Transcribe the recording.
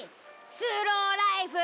スローライフ！